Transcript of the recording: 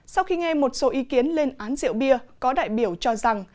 sau khi nghe một số ý kiến lên án rượu bia có đại biểu cho rằng